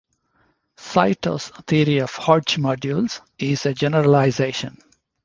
Saito's theory of Hodge modules is a generalization.